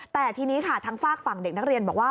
แต่ทีนี้ค่ะทางฝากฝั่งเด็กนักเรียนบอกว่า